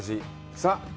さあ